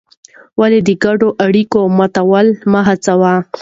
ولې د ګډو اړیکو ماتول مه هڅوې؟